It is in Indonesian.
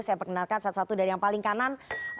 saya perkenalkan satu satu dari yang paling kanan